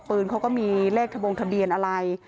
ปืนเขาก็มีเลขทะบงทะเบียนอะไร